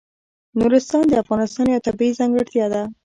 نورستان د افغانستان یوه طبیعي ځانګړتیا ده.